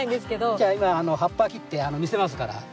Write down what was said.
じゃあ今葉っぱ切って見せますから。